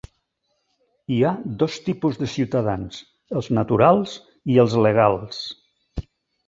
Hi ha dos tipus de ciutadans: els naturals i els legals.